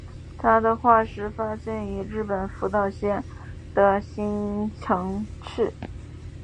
它的化石是发现于日本福岛县的磐城市。